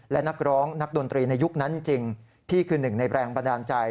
และนักร้องนักดนตรีในยุคนั้นจริงพี่คือหนึ่งในแรงบันดาลใจ